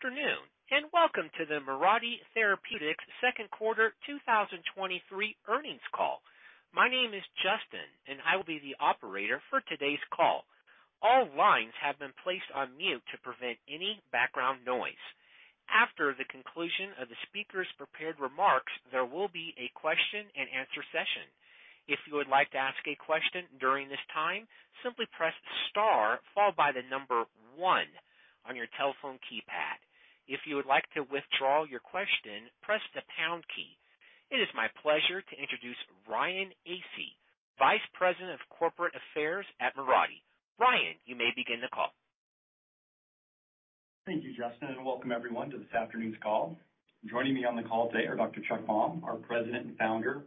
Good afternoon, welcome to the Mirati Therapeutics second quarter 2023 earnings call. My name is Justin, and I will be the operator for today's call. All lines have been placed on mute to prevent any background noise. After the conclusion of the speaker's prepared remarks, there will be a question-and-answer session. If you would like to ask a question during this time, simply press star followed by 1 on your telephone keypad. If you would like to withdraw your question, press the pound key. It is my pleasure to introduce Ryan Asay, Vice President of Corporate Affairs at Mirati. Ryan, you may begin the call. Thank you, Justin, and welcome everyone to this afternoon's call. Joining me on the call today are Dr. Charles Baum, our President and Founder;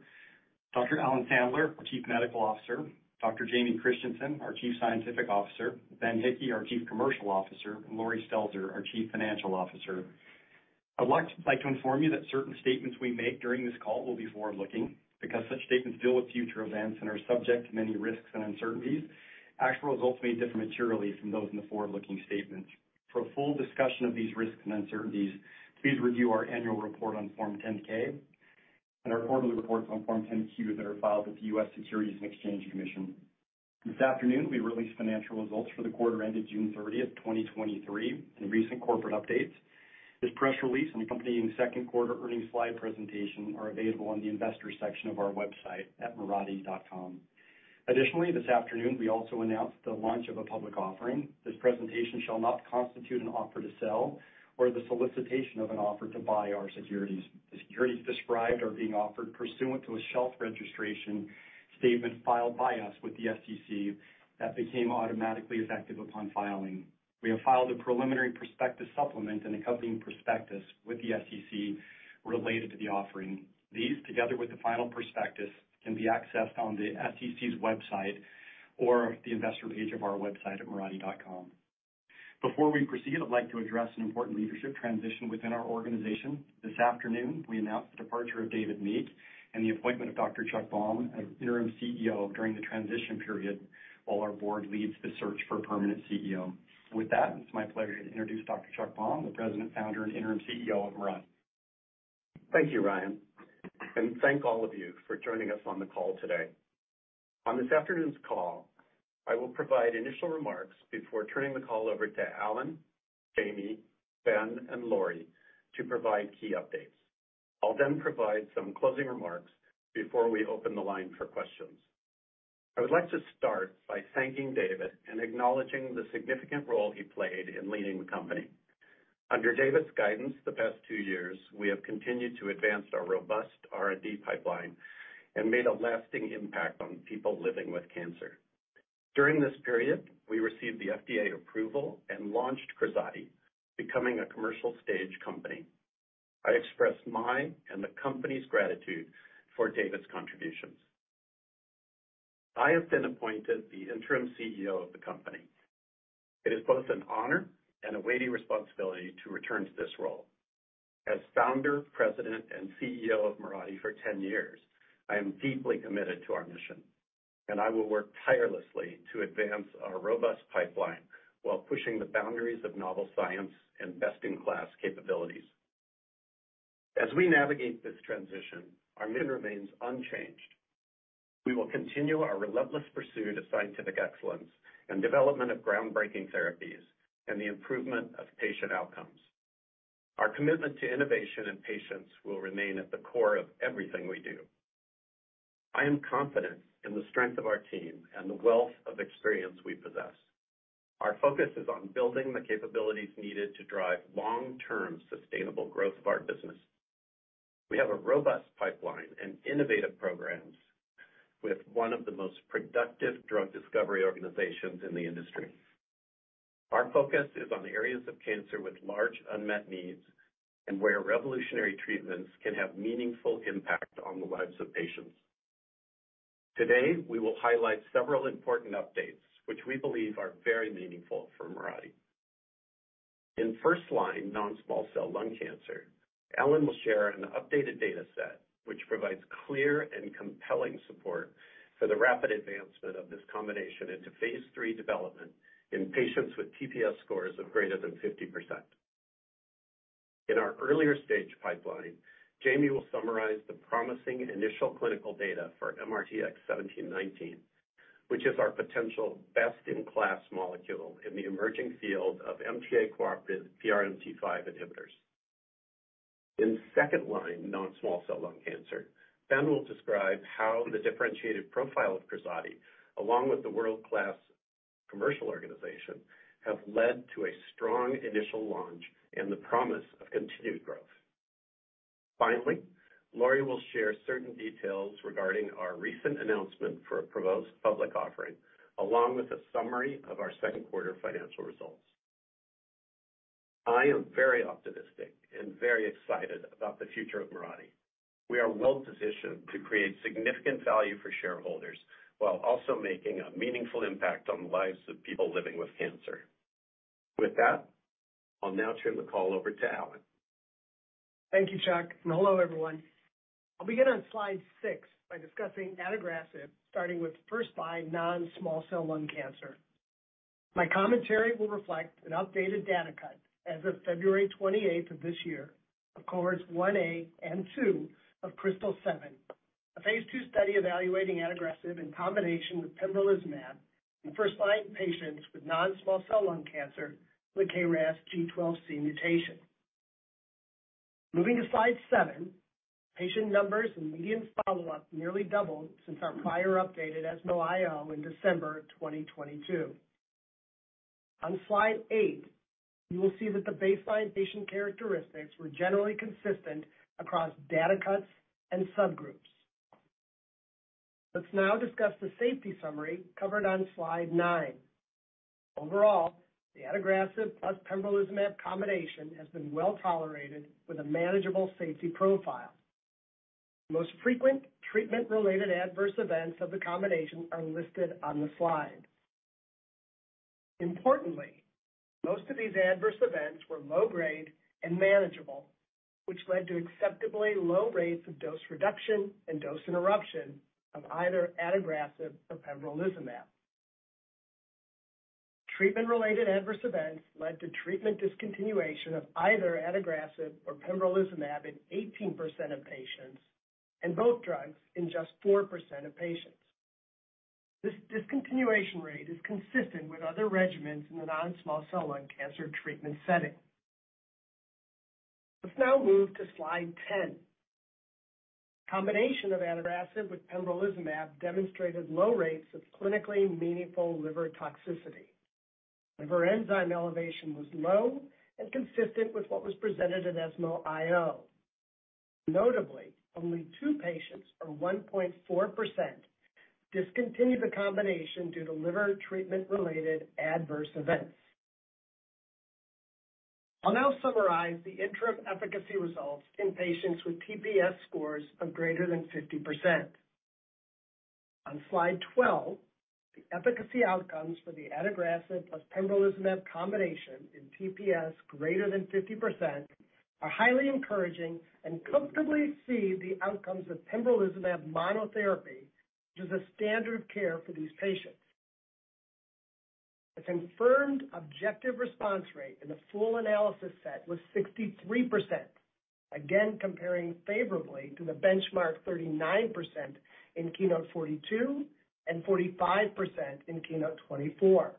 Dr. Alan Sandler, our Chief Medical Officer; Dr. Jamie Christensen, our Chief Scientific Officer; Ben Hickey, our Chief Commercial Officer; and Laurie Stelzer, our Chief Financial Officer. I'd like to inform you that certain statements we make during this call will be forward-looking. Such statements deal with future events and are subject to many risks and uncertainties, actual results may differ materially from those in the forward-looking statements. For a full discussion of these risks and uncertainties, please review our annual report on Form 10-K and our quarterly reports on Form 10-Q that are filed with the U.S. Securities and Exchange Commission. This afternoon, we released financial results for the quarter ended June 30, 2023, and recent corporate updates. This press release and accompanying second quarter earnings slide presentation are available on the investors section of our website at mirati.com. Additionally, this afternoon, we also announced the launch of a public offering. This presentation shall not constitute an offer to sell or the solicitation of an offer to buy our securities. The securities described are being offered pursuant to a shelf registration statement filed by us with the SEC that became automatically effective upon filing. We have filed a preliminary prospectus supplement and accompanying prospectus with the SEC related to the offering. These, together with the final prospectus, can be accessed on the SEC's website or the investor page of our website at mirati.com. Before we proceed, I'd like to address an important leadership transition within our organization. This afternoon, we announced the departure of David Meek and the appointment of Dr. Charles Baum as interim CEO during the transition period, while our board leads the search for a permanent CEO. With that, it's my pleasure to introduce Dr. Charles Baum, the President, Founder, and interim CEO of Mirati. Thank you, Ryan, thank all of you for joining us on the call today. On this afternoon's call, I will provide initial remarks before turning the call over to Alan, Jamie, Ben, and Laurie to provide key updates. I'll then provide some closing remarks before we open the line for questions. I would like to start by thanking David and acknowledging the significant role he played in leading the company. Under David's guidance, the past two years, we have continued to advance our robust R&D pipeline and made a lasting impact on people living with cancer. During this period, we received the FDA approval and launched Krazati, becoming a commercial stage company. I express my and the company's gratitude for David's contributions. I have been appointed the interim CEO of the company. It is both an honor and a weighty responsibility to return to this role. As Founder, President, and CEO of Mirati for 10 years, I am deeply committed to our mission, and I will work tirelessly to advance our robust pipeline while pushing the boundaries of novel science and best-in-class capabilities. As we navigate this transition, our mission remains unchanged. We will continue our relentless pursuit of scientific excellence and development of groundbreaking therapies and the improvement of patient outcomes. Our commitment to innovation and patients will remain at the core of everything we do. I am confident in the strength of our team and the wealth of experience we possess. Our focus is on building the capabilities needed to drive long-term sustainable growth of our business. We have a robust pipeline and innovative programs with one of the most productive drug discovery organizations in the industry. Our focus is on areas of cancer with large unmet needs and where revolutionary treatments can have meaningful impact on the lives of patients. Today, we will highlight several important updates, which we believe are very meaningful for Mirati. In first-line non-small cell lung cancer, Alan will share an updated data set, which provides clear and compelling support for the rapid advancement of this combination into phase III development in patients with TPS scores of greater than 50%. In our earlier stage pipeline, Jamie will summarize the promising initial clinical data for MRTX1719, which is our potential best-in-class molecule in the emerging field of MTA-cooperative PRMT5 inhibitors. In second-line non-small cell lung cancer, Ben will describe how the differentiated profile of Krazati, along with the world-class commercial organization, have led to a strong initial launch and the promise of continued growth. Finally, Laurie will share certain details regarding our recent announcement for a proposed public offering, along with a summary of our second quarter financial results. I am very optimistic and very excited about the future of Mirati. We are well positioned to create significant value for shareholders, while also making a meaningful impact on the lives of people living with cancer. With that, I'll now turn the call over to- Thank you, Chuck, hello, everyone. I'll begin on slide 6 by discussing adagrasib, starting with first-line non-small cell lung cancer. My commentary will reflect an updated data cut as of February 28th of this year of cohorts 1A and 2 of KRYSTAL-7, a phase II study evaluating adagrasib in combination with pembrolizumab in first-line patients with non-small cell lung cancer with KRAS G12C mutation. Moving to slide 7, patient numbers and median follow-up nearly doubled since our prior updated ESMO IO in December 2022. On slide 8, you will see that the baseline patient characteristics were generally consistent across data cuts and subgroups. Let's now discuss the safety summary covered on slide 9. Overall, the adagrasib plus pembrolizumab combination has been well-tolerated with a manageable safety profile. Most frequent treatment-related adverse events of the combination are listed on the slide. Importantly, most of these adverse events were low grade and manageable, which led to acceptably low rates of dose reduction and dose interruption of either adagrasib or pembrolizumab. Treatment-related adverse events led to treatment discontinuation of either adagrasib or pembrolizumab in 18% of patients and both drugs in just 4% of patients. This discontinuation rate is consistent with other regimens in the non-small cell lung cancer treatment setting. Let's now move to slide 10. Combination of adagrasib with pembrolizumab demonstrated low rates of clinically meaningful liver toxicity. Liver enzyme elevation was low and consistent with what was presented at ESMO IO. Notably, only 2 patients, or 1.4%, discontinued the combination due to liver treatment-related adverse events. I'll now summarize the interim efficacy results in patients with TPS scores of greater than 50%. On slide 12, the efficacy outcomes for the adagrasib plus pembrolizumab combination in TPS greater than 50% are highly encouraging and comfortably see the outcomes of pembrolizumab monotherapy, which is a standard of care for these patients. The confirmed objective response rate in the full analysis set was 63%, again comparing favorably to the benchmark 39% in KEYNOTE-042 and 45% in KEYNOTE-024.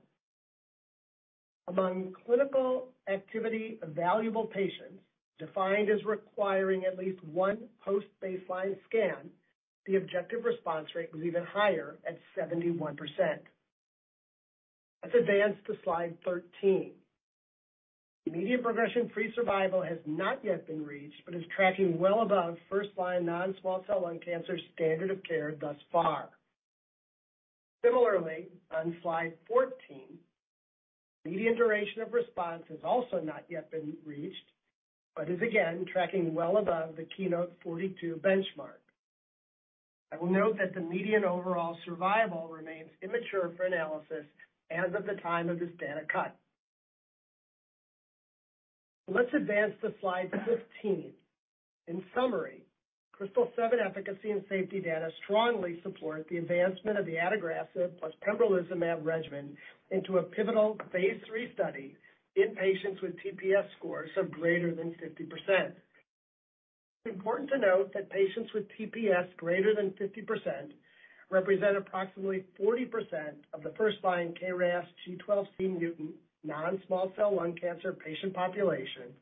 Among clinical activity evaluable patients, defined as requiring at least 1 post-baseline scan, the objective response rate was even higher at 71%. Let's advance to slide 13. Median progression-free survival has not yet been reached but is tracking well above first-line non-small cell lung cancer standard of care thus far. Similarly, on slide 14, median duration of response has also not yet been reached, but is again tracking well above the KEYNOTE-042 benchmark. I will note that the median overall survival remains immature for analysis as of the time of this data cut. Let's advance to slide 15. In summary, KRYSTAL-7 efficacy and safety data strongly support the advancement of the adagrasib plus pembrolizumab regimen into a pivotal phase III study in patients with TPS scores of greater than 50%. Important to note that patients with TPS greater than 50% represent approximately 40% of the first-line KRAS G12C mutant, non-small cell lung cancer patient population,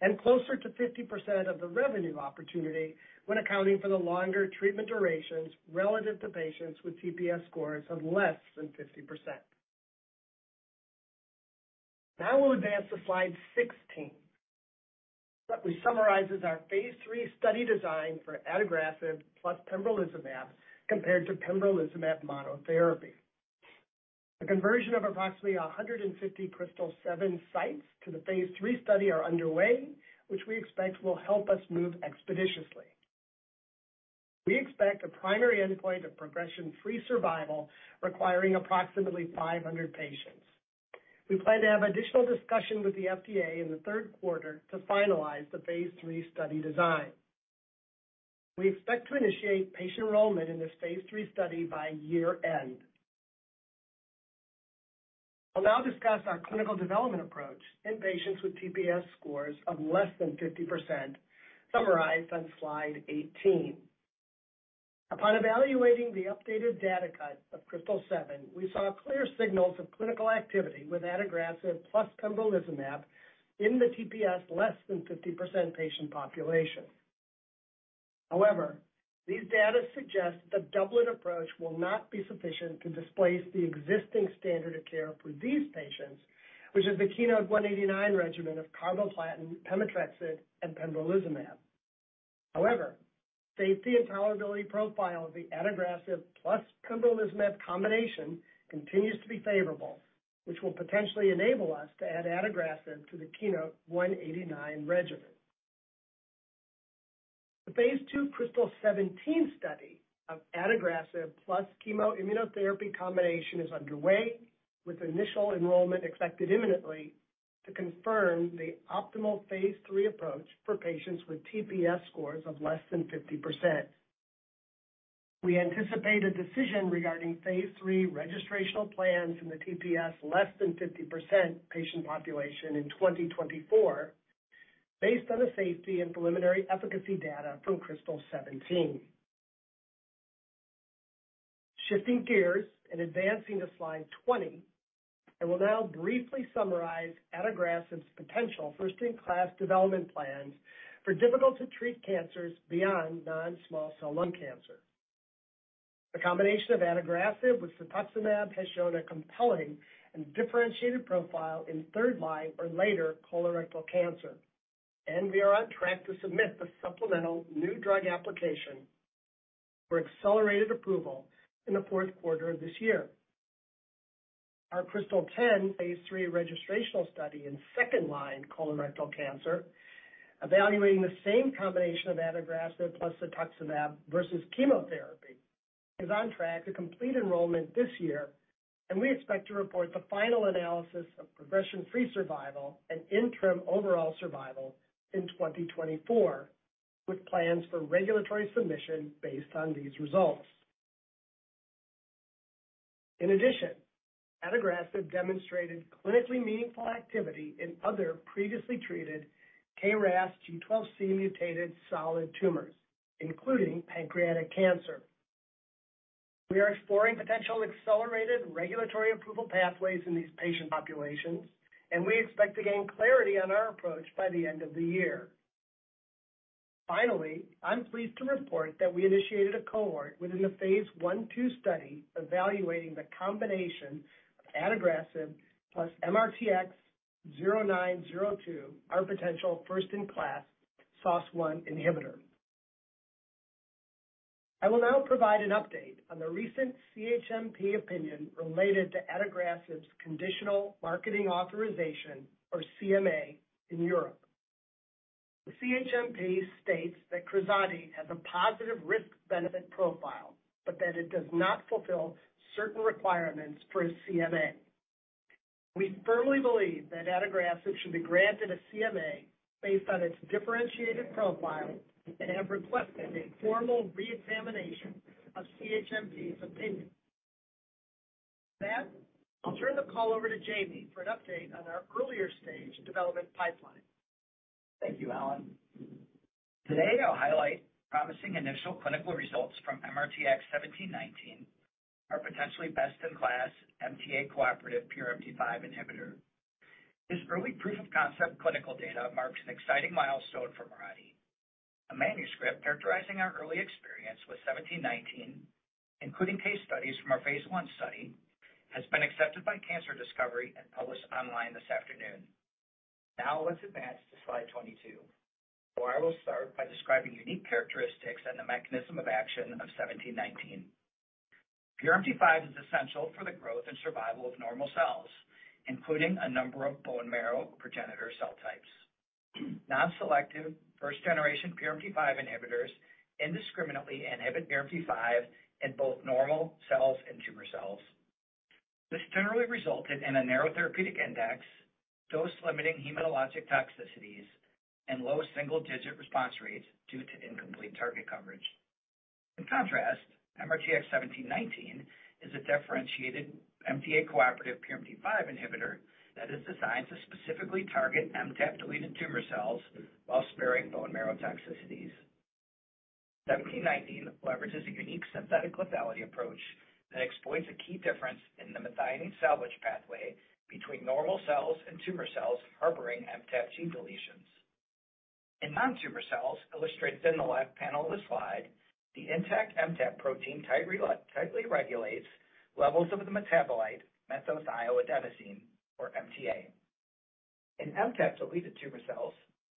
and closer to 50% of the revenue opportunity when accounting for the longer treatment durations relative to patients with TPS scores of less than 50%. We'll advance to slide 16. Quickly summarizes our phase III study design for adagrasib plus pembrolizumab compared to pembrolizumab monotherapy. The conversion of approximately 150 KRYSTAL-7 sites to the phase III study are underway, which we expect will help us move expeditiously. We expect a primary endpoint of progression-free survival, requiring approximately 500 patients. We plan to have additional discussion with the FDA in the third quarter to finalize the phase III study design. We expect to initiate patient enrollment in this phase III study by year-end. I'll now discuss our clinical development approach in patients with TPS scores of less than 50%, summarized on slide 18. Upon evaluating the updated data cut of KRYSTAL-7, we saw clear signals of clinical activity with adagrasib plus pembrolizumab in the TPS less than 50% patient population. However, these data suggest the doublet approach will not be sufficient to displace the existing standard of care for these patients, which is the KEYNOTE-189 regimen of carboplatin, pemetrexed, and pembrolizumab. However, safety and tolerability profile of the adagrasib plus pembrolizumab combination continues to be favorable, which will potentially enable us to add adagrasib to the KEYNOTE-189 regimen. The phase II KRYSTAL-17 study of adagrasib plus chemo-immunotherapy combination is underway, with initial enrollment expected imminently to confirm the optimal phase III approach for patients with TPS scores of less than 50%. We anticipate a decision regarding phase III registrational plans in the TPS less than 50% patient population in 2024, based on the safety and preliminary efficacy data from KRYSTAL-17. Shifting gears and advancing to slide 20, I will now briefly summarize adagrasib's potential first-in-class development plans for difficult-to-treat cancers beyond non-small cell lung cancer. The combination of adagrasib with cetuximab has shown a compelling and differentiated profile in 3rd-line or later colorectal cancer, and we are on track to submit the Supplemental New Drug Application for accelerated approval in the 4th quarter of this year. Our KRYSTAL-10 phase III registrational study in 2nd-line colorectal cancer, evaluating the same combination of adagrasib plus cetuximab versus chemotherapy, is on track to complete enrollment this year, and we expect to report the final analysis of progression-free survival and interim overall survival in 2024, with plans for regulatory submission based on these results. In addition, adagrasib demonstrated clinically meaningful activity in other previously treated KRAS G12C mutated solid tumors, including pancreatic cancer. We are exploring potential accelerated regulatory approval pathways in these patient populations, we expect to gain clarity on our approach by the end of the year. Finally, I'm pleased to report that we initiated a cohort within the Phase 1/2 study evaluating the combination of adagrasib plus MRTX0902, our potential first-in-class SOS1 inhibitor. I will now provide an update on the recent CHMP opinion related to adagrasib's conditional marketing authorization, or CMA, in Europe. The CHMP states that Krazati has a positive risk-benefit profile, but that it does not fulfill certain requirements for a CMA. We firmly believe that adagrasib should be granted a CMA based on its differentiated profile and have requested a formal reexamination of CHMP's opinion. With that, I'll turn the call over to Jamie for an update on our earlier stage development pipeline. Thank you, Alan. Today, I'll highlight promising initial clinical results from MRTX1719, our potentially best-in-class MTA-cooperative PRMT5 inhibitor. This early proof of concept clinical data marks an exciting milestone for Mirati. A manuscript characterizing our early experience with MRTX1719, including case studies from our phase I study, has been accepted by Cancer Discovery and published online this afternoon. Now, let's advance to slide 22, where I will start by describing unique characteristics and the mechanism of action of MRTX1719. PRMT5 is essential for the growth and survival of normal cells, including a number of bone marrow progenitor cell types. Non-selective first-generation PRMT5 inhibitors indiscriminately inhibit PRMT5 in both normal cells and tumor cells. This generally resulted in a narrow therapeutic index, dose-limiting hematologic toxicities, and low single-digit response rates due to incomplete target coverage. In contrast, MRTX1719 is a differentiated MTA-cooperative PRMT5 inhibitor that is designed to specifically target MTAP-deleted tumor cells while sparing bone marrow toxicities. 1719 leverages a unique synthetic lethality approach that exploits a key difference in the methionine salvage pathway between normal cells and tumor cells harboring MTAP gene deletions. In non-tumor cells, illustrated in the left panel of the slide, the intact MTAP protein tightly, tightly regulates levels of the metabolite methylthioadenosine, or MTA. In MTAP-deleted tumor cells,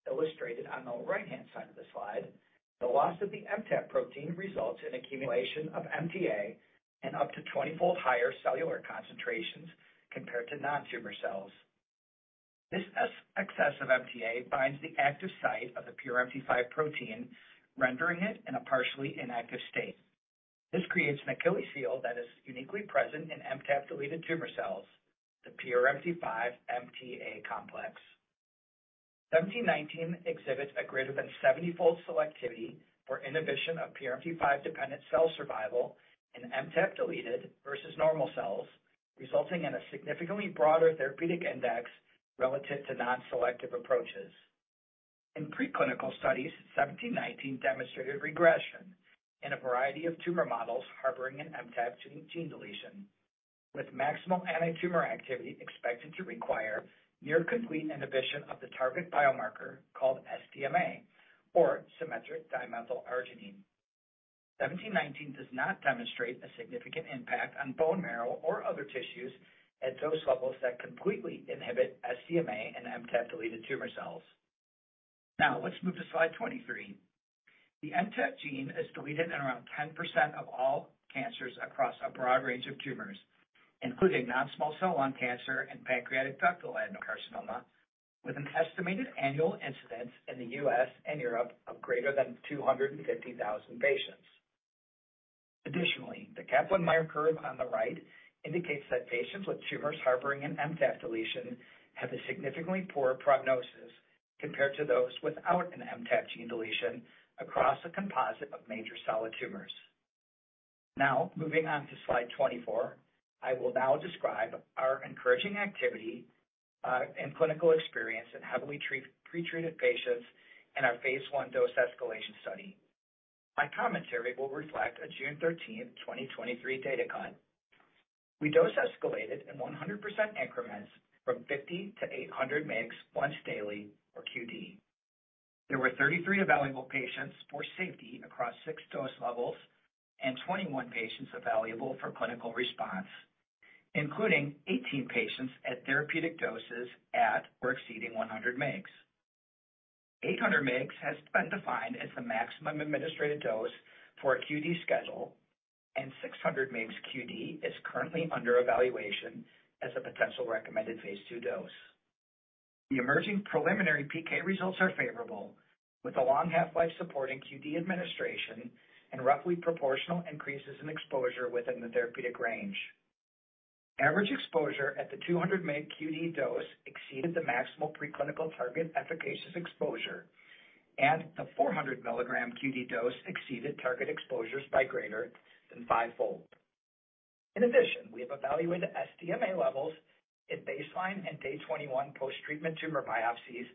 illustrated on the right-hand side of the slide, the loss of the MTAP protein results in accumulation of MTA in up to 20-fold higher cellular concentrations compared to non-tumor cells. This excess of MTA binds the active site of the PRMT5 protein, rendering it in a partially inactive state. This creates an Achilles heel that is uniquely present in MTAP-deleted tumor cells, the PRMT5 MTA complex. MRTX1719 exhibits a greater than 70-fold selectivity for inhibition of PRMT5-dependent cell survival in MTAP-deleted versus normal cells, resulting in a significantly broader therapeutic index relative to non-selective approaches. In preclinical studies, MRTX1719 demonstrated regression in a variety of tumor models harboring an MTAP gene deletion, with maximal antitumor activity expected to require near-complete inhibition of the target biomarker called SDMA, or symmetric dimethylarginine. MRTX1719 does not demonstrate a significant impact on bone marrow or other tissues at dose levels that completely inhibit SDMA and MTAP-deleted tumor cells. Let's move to slide 23. The MTAP gene is deleted in around 10% of all cancers across a broad range of tumors, including non-small cell lung cancer and pancreatic ductal adenocarcinoma, with an estimated annual incidence in the US and Europe of greater than 250,000 patients. Additionally, the Kaplan-Meier curve on the right indicates that patients with tumors harboring an MTAP deletion have a significantly poor prognosis compared to those without an MTAP gene deletion across a composite of major solid tumors. Now, moving on to slide 24, I will now describe our encouraging activity in clinical experience in heavily pretreated patients in our phase I dose escalation study. My commentary will reflect a June 13, 2023 data cut. We dose escalated in 100% increments from 50 to 800 mgs once daily or QD. There were 33 evaluable patients for safety across 6 dose levels and 21 patients evaluable for clinical response, including 18 patients at therapeutic doses at or exceeding 100 mgs. 800 mgs has been defined as the maximum administrative dose for a QD schedule. 600 mgs QD is currently under evaluation as a potential recommended phase II dose. The emerging preliminary PK results are favorable, with a long half-life supporting QD administration and roughly proportional increases in exposure within the therapeutic range. Average exposure at the 200 mg QD dose exceeded the maximal preclinical target efficacious exposure, and the 400 mg QD dose exceeded target exposures by greater than fivefold. In addition, we have evaluated SDMA levels at baseline and day 21 post-treatment tumor biopsies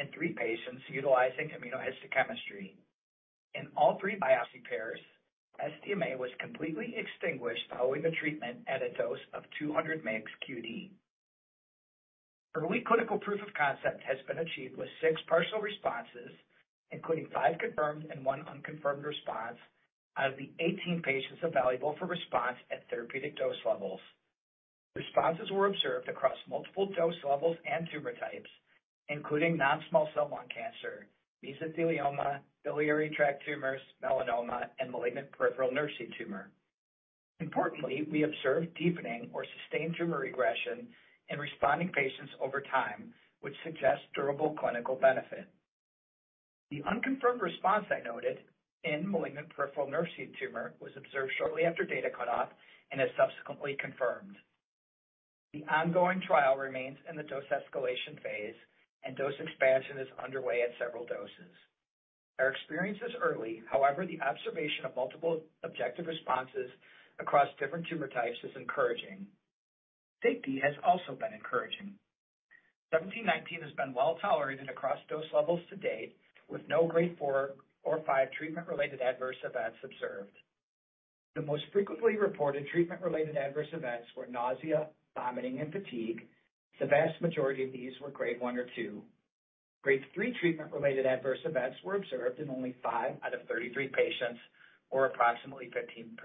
in 3 patients utilizing immunohistochemistry. In all 3 biopsy pairs, SDMA was completely extinguished following the treatment at a dose of 200 mgs QD. Early clinical proof of concept has been achieved with 6 partial responses, including 5 confirmed and 1 unconfirmed response, out of the 18 patients evaluable for response at therapeutic dose levels. Responses were observed across multiple dose levels and tumor types, including non-small cell lung cancer, mesothelioma, biliary tract tumors, melanoma, and malignant peripheral nerve sheath tumor. Importantly, we observed deepening or sustained tumor regression in responding patients over time, which suggests durable clinical benefit. The unconfirmed response I noted in malignant peripheral nerve sheath tumor was observed shortly after data cut-off and is subsequently confirmed. The ongoing trial remains in the dose escalation phase, and dose expansion is underway at several doses. Our experience is early; however, the observation of multiple objective responses across different tumor types is encouraging. Safety has also been encouraging. MRTX1719 has been well tolerated across dose levels to date, with no Grade 4 or 5 treatment-related adverse events observed. The most frequently reported treatment-related adverse events were nausea, vomiting, and fatigue. The vast majority of these were Grade 1 or 2. Grade 3 treatment-related adverse events were observed in only 5 out of 33 patients, or approximately 15%.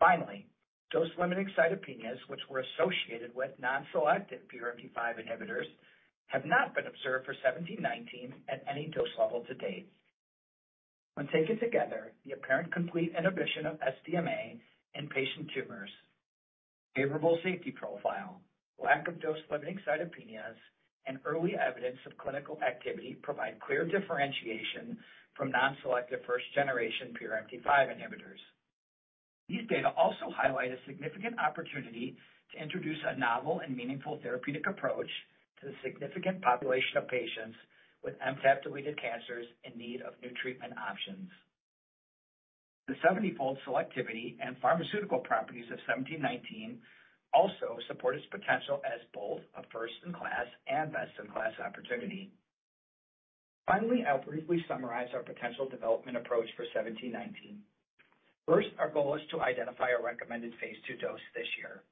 Finally, dose-limiting cytopenias, which were associated with non-selective PRMT5 inhibitors, have not been observed for MRTX1719 at any dose level to date. When taken together, the apparent complete inhibition of SDMA in patient tumors, favorable safety profile, lack of dose-limiting cytopenias, and early evidence of clinical activity provide clear differentiation from non-selective first-generation PRMT5 inhibitors. These data also highlight a significant opportunity to introduce a novel and meaningful therapeutic approach to the significant population of patients with MTAP-deleted cancers in need of new treatment options. The 70-fold selectivity and pharmaceutical properties of MRTX1719 also support its potential as both a first-in-class and best-in-class opportunity. I'll briefly summarize our potential development approach for MRTX1719. Our goal is to identify a recommended phase II dose this year.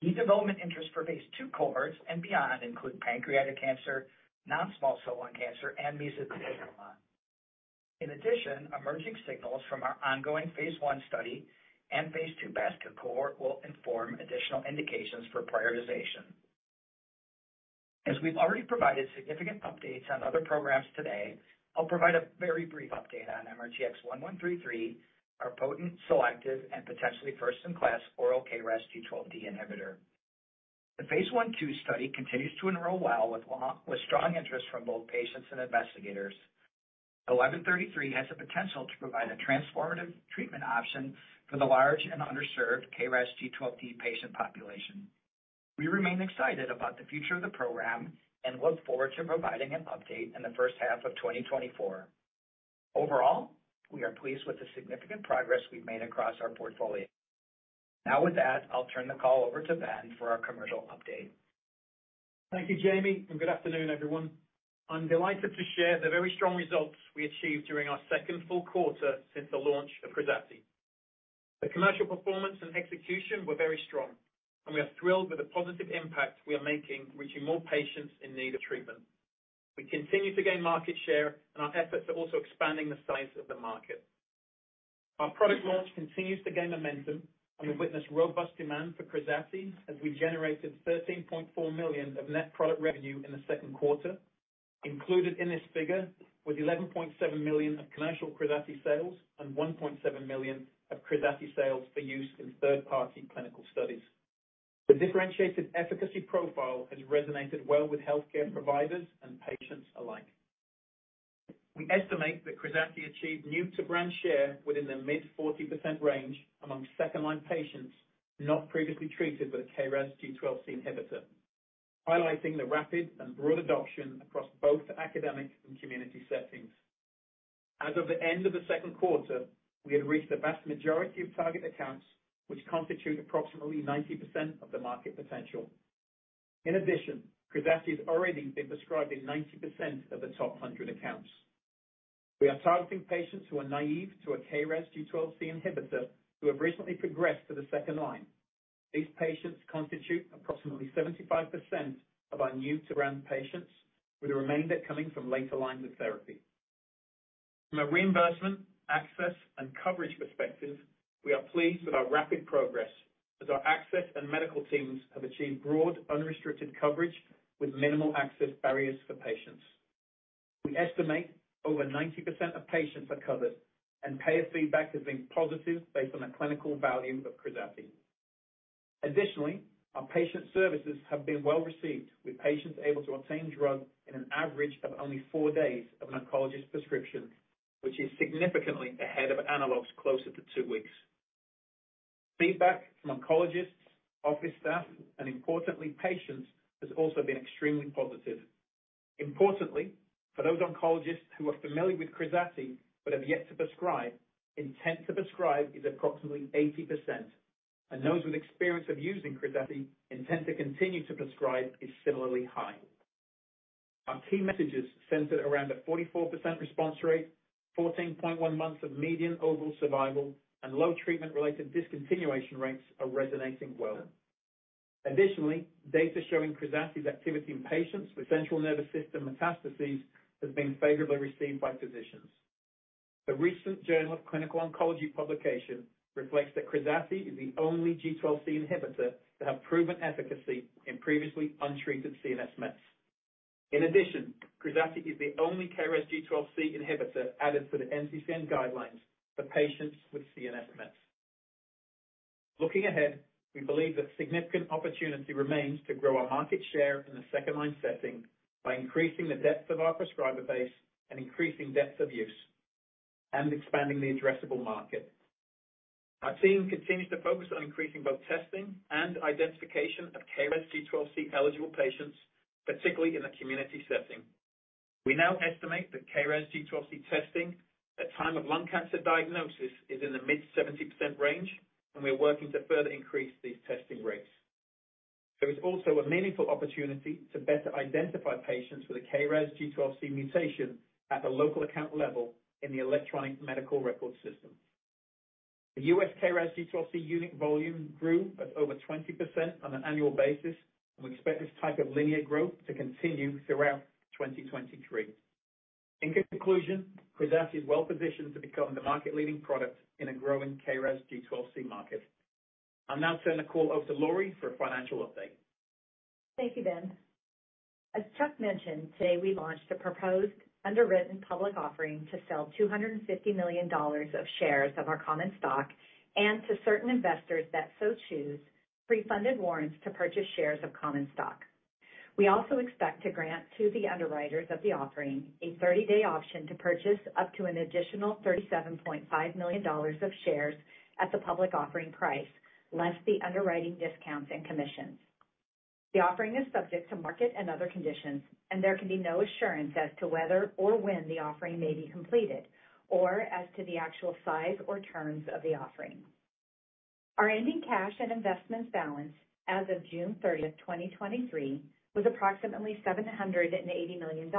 Key development interests for phase II cohorts and beyond include pancreatic cancer, non-small cell lung cancer, and mesothelioma. Emerging signals from our ongoing phase I study and phase II basket cohort will inform additional indications for prioritization. As we've already provided significant updates on other programs today, I'll provide a very brief update on MRTX1133, our potent, selective, and potentially first-in-class oral KRAS G12D inhibitor. The phase 1/2 study continues to enroll well, with strong interest from both patients and investigators. Eleven thirty-three has the potential to provide a transformative treatment option for the large and underserved KRAS G12D patient population. We remain excited about the future of the program and look forward to providing an update in the first half of 2024. Overall, we are pleased with the significant progress we've made across our portfolio. Now with that, I'll turn the call over to Ben for our commercial update. Thank you, Jamie, and good afternoon, everyone. I'm delighted to share the very strong results we achieved during our second full quarter since the launch of Krazati. The commercial performance and execution were very strong, and we are thrilled with the positive impact we are making, reaching more patients in need of treatment. We continue to gain market share, and our efforts are also expanding the size of the market. Our product launch continues to gain momentum, and we've witnessed robust demand for Krazati as we generated $13.4 million of net product revenue in the second quarter. Included in this figure was $11.7 million of commercial Krazati sales and $1.7 million of Krazati sales for use in third-party clinical studies. The differentiated efficacy profile has resonated well with healthcare providers and patients alike. We estimate that Krazati achieved new-to-brand share within the mid-40% range among second-line patients not previously treated with a KRAS G12C inhibitor, highlighting the rapid and broad adoption across both academic and community settings. As of the end of the second quarter, we had reached the vast majority of target accounts, which constitute approximately 90% of the market potential. In addition, Krazati has already been prescribed in 90% of the top 100 accounts. We are targeting patients who are naive to a KRAS G12C inhibitor, who have recently progressed to the second line. These patients constitute approximately 75% of our new-to-brand patients, with the remainder coming from later lines of therapy. From a reimbursement, access, and coverage perspective, we are pleased with our rapid progress as our access and medical teams have achieved broad, unrestricted coverage with minimal access barriers for patients. We estimate over 90% of patients are covered, and payer feedback has been positive based on the clinical value of Krazati. Additionally, our patient services have been well-received, with patients able to obtain drug in an average of only 4 days of an oncologist prescription, which is significantly ahead of analogs, closer to 2 weeks. Feedback from oncologists, office staff, and importantly, patients, has also been extremely positive. Importantly, for those oncologists who are familiar with Krazati but have yet to prescribe, intent to prescribe is approximately 80%, and those with experience of using Krazati intent to continue to prescribe is similarly high. Our key messages centered around a 44% response rate, 14.1 months of median overall survival, and low treatment-related discontinuation rates are resonating well. Additionally, data showing Krazati's activity in patients with central nervous system metastases has been favorably received by physicians. A recent Journal of Clinical Oncology publication reflects that Krazati is the only G12C inhibitor to have proven efficacy in previously untreated CNS Mets. In addition, Krazati is the only KRAS G12C inhibitor added to the NCCN guidelines for patients with CNS Mets. Looking ahead, we believe that significant opportunity remains to grow our market share in the second-line setting by increasing the depth of our prescriber base and increasing depth of use, and expanding the addressable market. Our team continues to focus on increasing both testing and identification of KRAS G12C eligible patients, particularly in the community setting. We now estimate that KRAS G12C testing at time of lung cancer diagnosis is in the mid-70% range, and we are working to further increase these testing rates. There is also a meaningful opportunity to better identify patients with a KRAS G12C mutation at the local account level in the electronic medical record system. The U.S. KRAS G12C unique volume grew at over 20% on an annual basis, and we expect this type of linear growth to continue throughout 2023. In conclusion, Krazati is well positioned to become the market-leading product in a growing KRAS G12C market. I'll now turn the call over to Laurie for a financial update. Thank you, Ben. As Chuck mentioned, today, we launched a proposed underwritten public offering to sell $250 million of shares of our common stock and to certain investors that so choose pre-funded warrants to purchase shares of common stock. We also expect to grant to the underwriters of the offering a 30-day option to purchase up to an additional $37.5 million of shares at the public offering price, less the underwriting discounts and commissions. The offering is subject to market and other conditions, and there can be no assurance as to whether or when the offering may be completed or as to the actual size or terms of the offering. Our ending cash and investments balance as of June 30th, 2023, was approximately $780 million.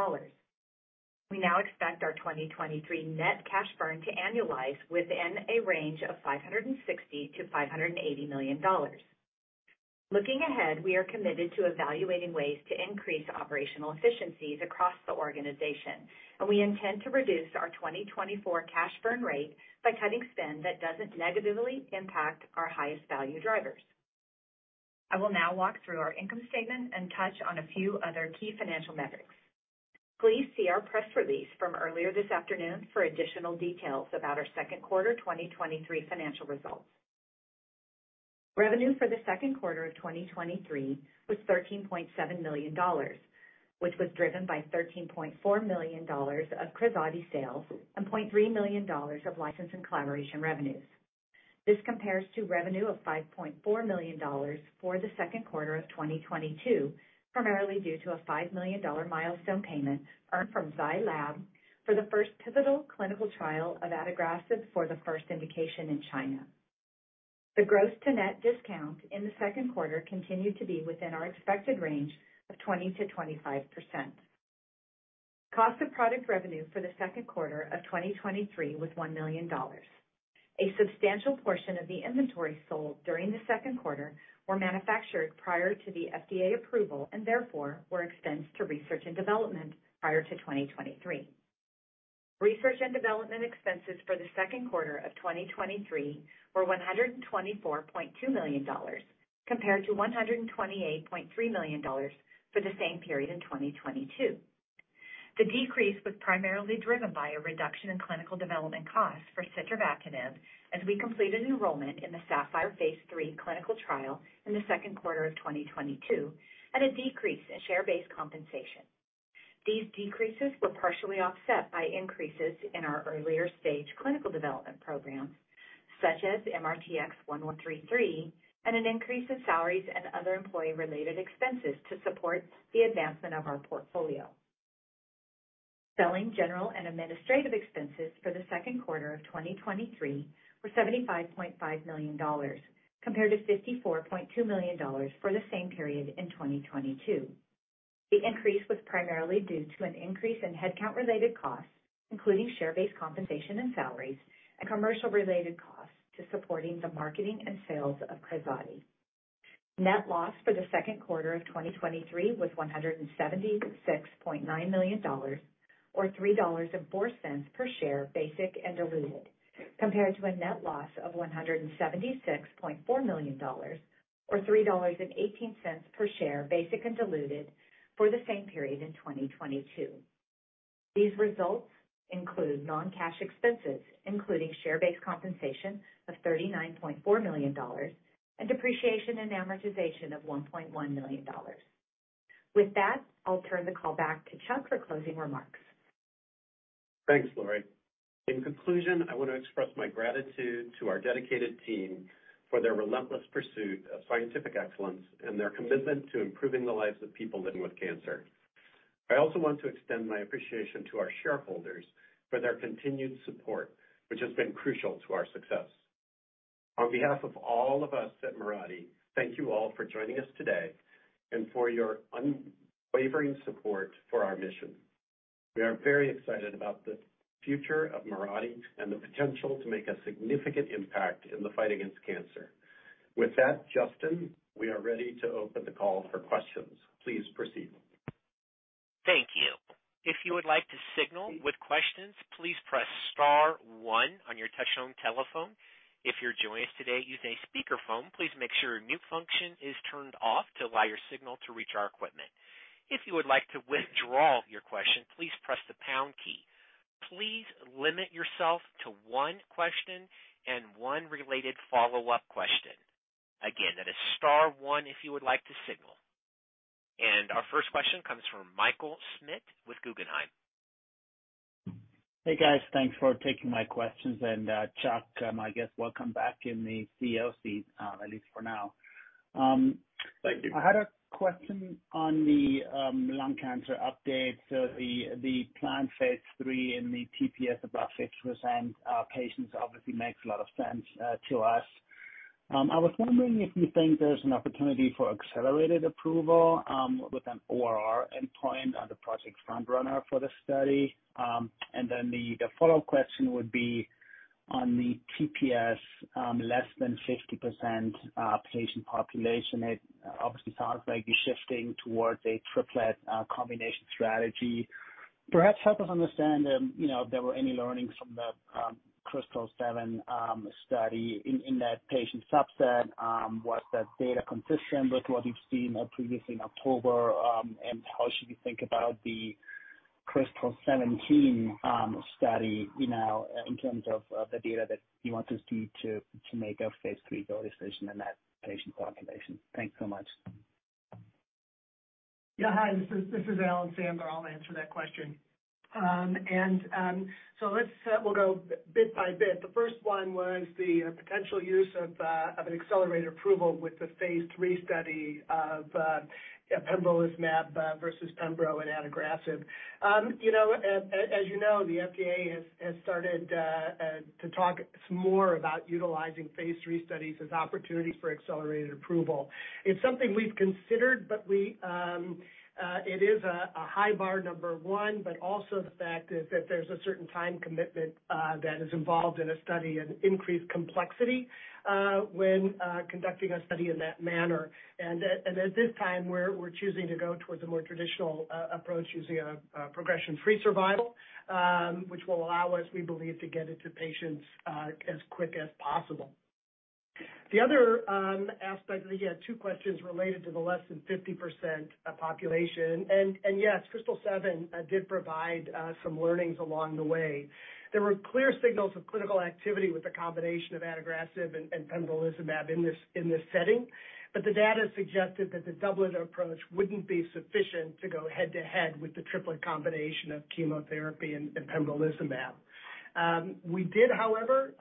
We now expect our 2023 net cash burn to annualize within a range of $560 million-$580 million. Looking ahead, we are committed to evaluating ways to increase operational efficiencies across the organization, and we intend to reduce our 2024 cash burn rate by cutting spend that doesn't negatively impact our highest value drivers. I will now walk through our income statement and touch on a few other key financial metrics. Please see our press release from earlier this afternoon for additional details about our second quarter 2023 financial results. Revenue for the second quarter of 2023 was $13.7 million, which was driven by $13.4 million of Krazati sales and $0.3 million of license and collaboration revenues. This compares to revenue of $5.4 million for the second quarter of 2022, primarily due to a $5 million milestone payment earned from Zai Lab for the first pivotal clinical trial of adagrasib for the first indication in China. The gross to net discount in the second quarter continued to be within our expected range of 20%-25%. Cost of product revenue for the second quarter of 2023 was $1 million. A substantial portion of the inventory sold during the second quarter were manufactured prior to the FDA approval and therefore were expensed to research and development prior to 2023. Research and development expenses for the second quarter of 2023 were $124.2 million, compared to $128.3 million for the same period in 2022. The decrease was primarily driven by a reduction in clinical development costs for sitravatinib as we completed enrollment in the SAPPHIRE phase III clinical trial in the second quarter of 2022 at a decrease in share-based compensation. These decreases were partially offset by increases in our earlier stage clinical development programs, such as MRTX1133, and an increase in salaries and other employee-related expenses to support the advancement of our portfolio. Selling general and administrative expenses for the second quarter of 2023 were $75.5 million, compared to $54.2 million for the same period in 2022. The increase was primarily due to an increase in headcount-related costs, including share-based compensation and salaries, and commercial-related costs to supporting the marketing and sales of Krazati. Net loss for the second quarter of 2023 was $176.9 million, or $3.04 per share, basic and diluted, compared to a net loss of $176.4 million or $3.18 per share, basic and diluted, for the same period in 2022. These results include non-cash expenses, including share-based compensation of $39.4 million and depreciation and amortization of $1.1 million. With that, I'll turn the call back to Chuck for closing remarks. Thanks, Laurie. In conclusion, I want to express my gratitude to our dedicated team for their relentless pursuit of scientific excellence and their commitment to improving the lives of people living with cancer. I also want to extend my appreciation to our shareholders for their continued support, which has been crucial to our success. On behalf of all of us at Mirati, thank you all for joining us today and for your unwavering support for our mission. We are very excited about the future of Mirati and the potential to make a significant impact in the fight against cancer. With that, Justin, we are ready to open the call for questions. Please proceed. Thank you. If you would like to signal with questions, please press star one on your touchtone telephone. If you're joining us today using a speakerphone, please make sure your mute function is turned off to allow your signal to reach our equipment. If you would like to withdraw your question, please press the pound key. Please limit yourself to one question and one related follow-up question. Again, that is star one if you would like to signal. Our first question comes from Michael Schmidt with Guggenheim. Hey, guys. Thanks for taking my questions. Chuck, I guess welcome back in the CEO seat, at least for now. Thank you. I had a question on the lung cancer update. The planned phase III in the TPS above 6% patients obviously makes a lot of sense to us. I was wondering if you think there's an opportunity for accelerated approval with an ORR endpoint on the project frontrunner for the study. The follow-up question would be on the TPS less than 50% patient population. It obviously sounds like you're shifting towards a triplet combination strategy. Perhaps help us understand, you know, if there were any learnings from the KRYSTAL-7 study in that patient subset. Was that data consistent with what you've seen previously in October? How should we think about the KRYSTAL-17 study, you know, in terms of the data that you want to see to, to make a phase III go decision in that patient population? Thanks so much. Yeah. Hi, this is, this is Alan Sandler. I'll answer that question. Let's we'll go bit by bit. The first one was the potential use of an accelerated approval with the phase III study of pembrolizumab versus pembro and adagrasib. You know, as, as you know, the FDA has, has started to talk some more about utilizing phase III studies as opportunities for accelerated approval. It's something we've considered, but we, it is a high bar, number 1, but also the fact is that there's a certain time commitment that is involved in a study and increased complexity when conducting a study in that manner. At this time, we're choosing to go towards a more traditional approach using a progression-free survival, which will allow us, we believe, to get it to patients as quick as possible. The other aspect, again, 2 questions related to the less than 50% population. Yes, KRYSTAL-7 did provide some learnings along the way. There were clear signals of clinical activity with the combination of adagrasib and, and pembrolizumab in this, in this setting, but the data suggested that the doublet approach wouldn't be sufficient to go head-to-head with the triplet combination of chemotherapy and, and pembrolizumab. We did, however,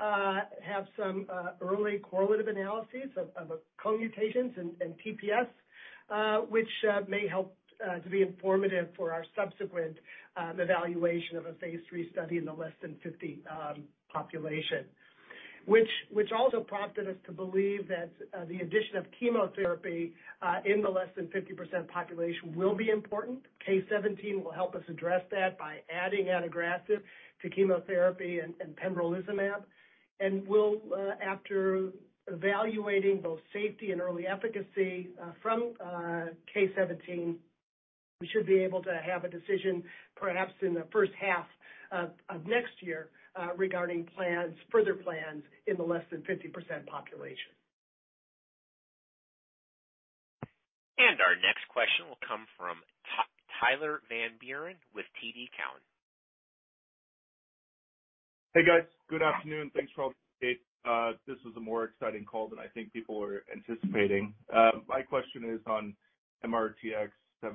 have some early correlative analyses of co-mutations and TPS, which may help to be informative for our subsequent evaluation of a phase III study in the less than 50 population, also prompted us to believe that the addition of chemotherapy in the less than 50% population will be important. KRYSTAL-17 will help us address that by adding adagrasib to chemotherapy and pembrolizumab. We'll after evaluating both safety and early efficacy from KRYSTAL-17. We should be able to have a decision perhaps in the first half of next year regarding plans, further plans in the less than 50% population. Our next question will come from Tyler Van Buren with TD Cowen. Hey, guys. Good afternoon. Thanks for all the update. This was a more exciting call than I think people were anticipating. My question is on MRTX1719. At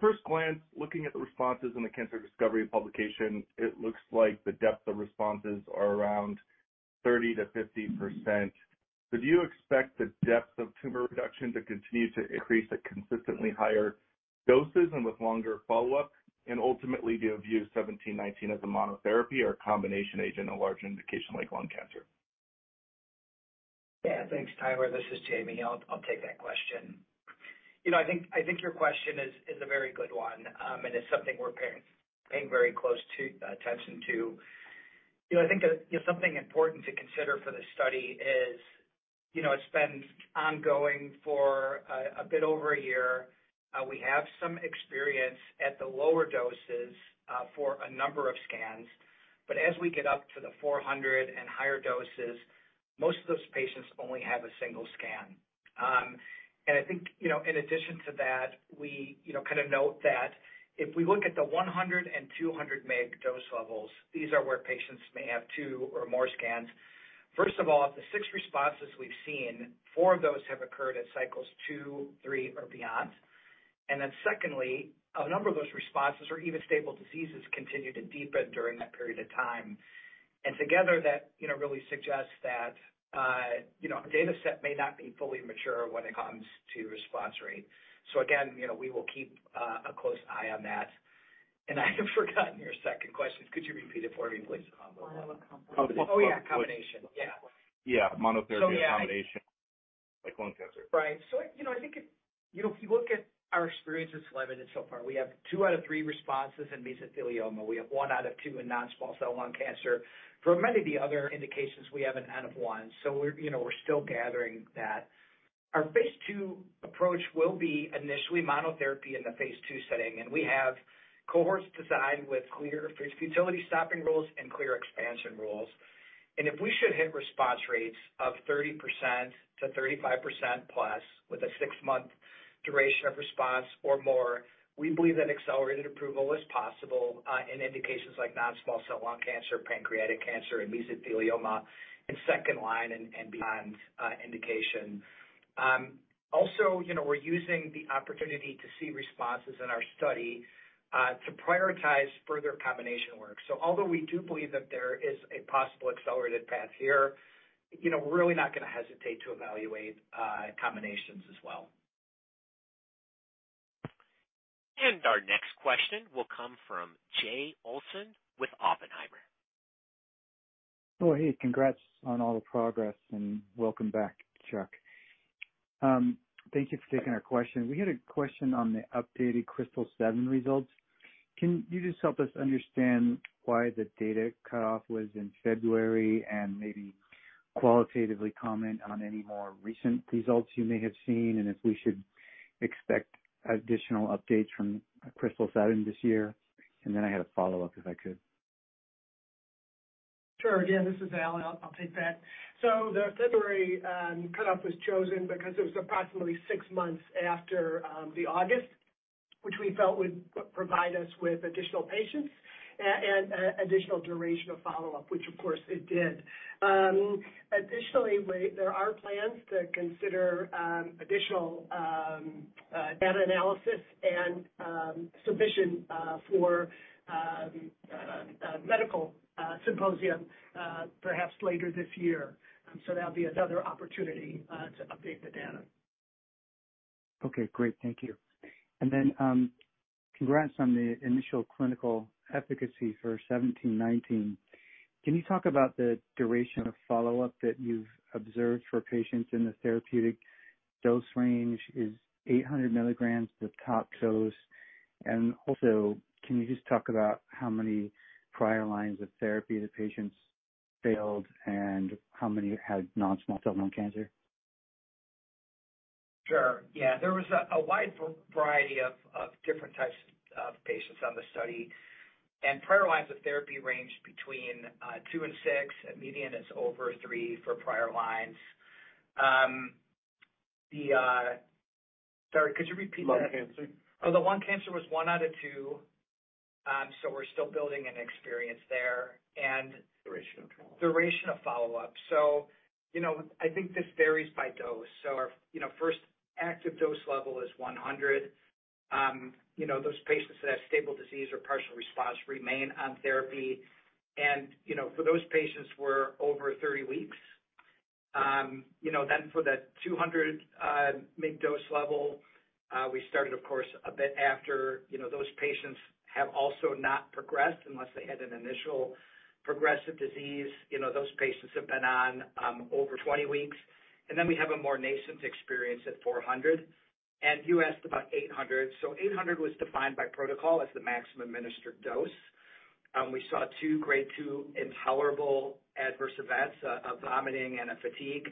first glance, looking at the responses in the Cancer Discovery publication, it looks like the depth of responses are around 30%-50%. Do you expect the depth of tumor reduction to continue to increase at consistently higher doses and with longer follow-up? Ultimately, do you view 1719 as a monotherapy or a combination agent in a large indication like lung cancer? Yeah, thanks, Tyler. This is Jamie. I'll, I'll take that question. You know, I think, I think your question is, is a very good one, and it's something we're paying, paying very close attention to. You know, I think that, you know, something important to consider for this study is, you know, it's been ongoing for a, a bit over a year. We have some experience at the lower doses for a number of scans, as we get up to the 400 and higher doses, most of those patients only have a single scan. I think, you know, in addition to that, we, you know, kind of note that if we look at the 100 and 200 meg dose levels, these are where patients may have two or more scans. First of all, of the 6 responses we've seen, 4 of those have occurred at cycles 2, 3, or beyond. Then secondly, a number of those responses or even stable diseases continued to deepen during that period of time. Together, that, you know, really suggests that, you know, our data set may not be fully mature when it comes to response rate. Again, you know, we will keep a close eye on that. I have forgotten your second question. Could you repeat it for me, please? Monotherapy. Oh, yeah, combination. Yeah. Yeah, monotherapy, combination, like lung cancer. Right. You know, I think it... You know, if you look at our experience with relevent so far, we have 2 out of 3 responses in mesothelioma. We have 1 out of 2 in non-small cell lung cancer. For many of the other indications, we have an N of 1, so we're, you know, we're still gathering that. Our phase II approach will be initially monotherapy in the phase II setting. We have cohorts designed with clear futility stopping rules and clear expansion rules. If we should hit response rates of 30%-35% plus with a 6-month duration of response or more, we believe that accelerated approval is possible in indications like non-small cell lung cancer, pancreatic cancer, and mesothelioma in 2nd line and, and beyond, indication. Also, you know, we're using the opportunity to see responses in our study, to prioritize further combination work. Although we do believe that there is a possible accelerated path here, you know, we're really not gonna hesitate to evaluate, combinations as well. Our next question will come from Jay Olson with Oppenheimer. Oh, hey, congrats on all the progress, and welcome back, Chuck. Thank you for taking our question. We had a question on the updated KRYSTAL-7 results. Can you just help us understand why the data cutoff was in February and maybe qualitatively comment on any more recent results you may have seen, and if we should expect additional updates from KRYSTAL-7 this year? Then I had a follow-up, if I could. Sure. Again, this is Alan. I'll, I'll take that. The February cutoff was chosen because it was approximately 6 months after the August, which we felt would provide us with additional patients and additional duration of follow-up, which of course it did. Additionally, there are plans to consider additional data analysis and submission for a medical symposium perhaps later this year. That'll be another opportunity to update the data. Okay, great. Thank you. Congrats on the initial clinical efficacy for MRTX1719. Can you talk about the duration of follow-up that you've observed for patients in the therapeutic dose range is 800 milligrams the top dose? Can you just talk about how many prior lines of therapy the patients failed and how many had non-small cell lung cancer? Sure. Yeah, there was a, a wide variety of, of different types of patients on the study, and prior lines of therapy ranged between, 2 and 6, and median is over 3 for prior lines. Sorry, could you repeat that? Lung cancer. Oh, the lung cancer was 1 out of 2. We're still building an experience there. Duration of follow-up. Duration of follow-up. You know, I think this varies by dose. Our, you know, first active dose level is 100. You know, those patients that have stable disease or partial response remain on therapy, and, you know, for those patients were over 30 weeks. You know, then for that 200 mg dose level, we started, of course, a bit after, you know, those patients have also not progressed unless they had an initial progressive disease. You know, those patients have been on over 20 weeks. Then we have a more nascent experience at 400, and you asked about 800. 800 was defined by protocol as the maximum administered dose. We saw 2 grade 2 intolerable adverse events of vomiting and a fatigue.